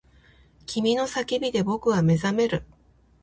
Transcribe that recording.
君の叫びで僕は目覚める